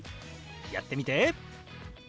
やってみて！